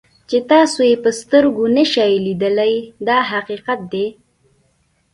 چې تاسو یې په سترګو نشئ لیدلی دا حقیقت دی.